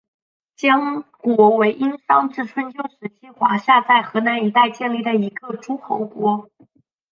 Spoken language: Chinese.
江国为殷商至春秋时期华夏在河南一带建立的一个诸侯国。